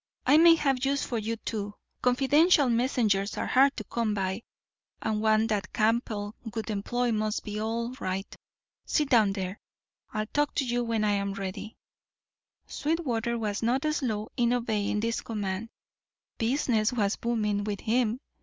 "I may have use for you too. Confidential messengers are hard to come by, and one that Campbell would employ must be all right. Sit down there! I'll talk to you when I'm ready." Sweetwater was not slow in obeying this command. Business was booming with him.